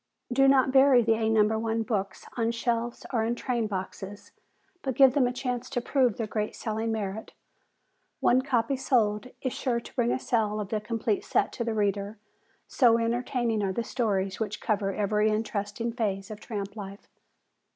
Do not bury the "A No. 1 Books" on shelves or in train boxes, but give them a chance to prove their great selling merit. One copy sold is sure to bring a sale of the complete set to the reader, so entertaining are the stories which cover every interesting phase of tramp life.